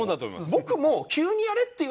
僕も。